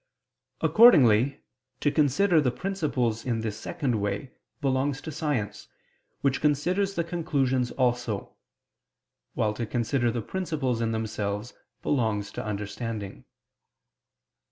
Accordingly, to consider the principles in this second way, belongs to science, which considers the conclusions also: while to consider the principles in themselves belongs to understanding.